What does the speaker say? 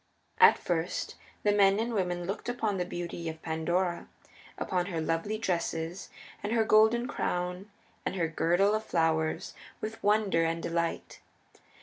At first the men and women looked upon the beauty of Pandora, upon her lovely dresses, and her golden crown and her girdle of flowers, with wonder and delight.